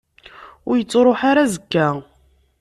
Ur yettruḥ ara azekka.